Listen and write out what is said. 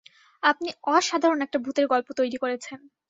আপনি অসাধারণ একটা ভূতের গল্প তৈরি করেছেন।